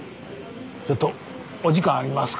ちょっとお時間ありますかね？